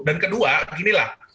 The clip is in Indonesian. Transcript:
dan kedua beginilah